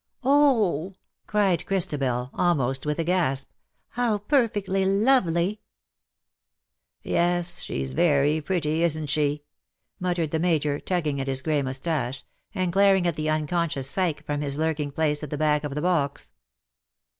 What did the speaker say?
" Oh V cried Christabel^ almost with a gasp, "how perfectly lovely V' " Yes ; she^s very pretty, isn^t she V^ muttered the Major, tugging at his grey moustache, and glaring at the unconscious Psyche from his lurking place at the back of the box.